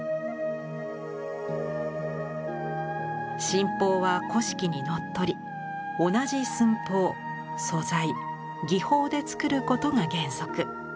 神宝は古式にのっとり同じ寸法素材技法で作ることが原則。